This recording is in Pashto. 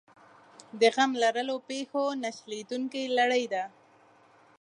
د غم لړلو پېښو نه شلېدونکې لړۍ ده.